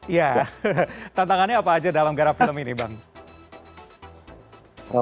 iya tantangannya apa aja dalam gara film ini bang